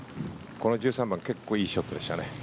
１３番結構いいショットでしたね。